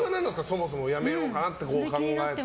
そもそも、辞めようかなって考えた。